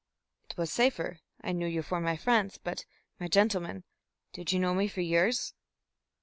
"It was safer. I knew you for my friends. But, my gentleman, did you know me for yours?"